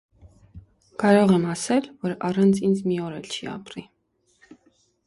- Կարող եմ ասել, որ առանց ինձ մի օր էլ չի ապրի: